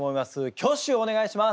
挙手をお願いします。